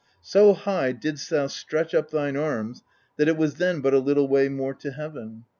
So high didst thou stretch up thine arms that it was then but a little way more to heaven.